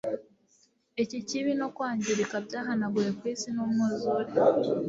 Iki kibi no kwangirika byahanaguwe ku isi numwuzure